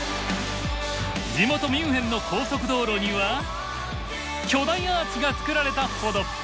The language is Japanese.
地元ミュンヘンの高速道路には巨大アーチが作られたほど。